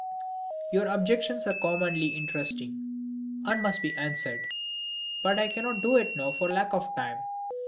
Your objections are uncommonly interesting, and must be answered. But I cannot do it now for lack of time.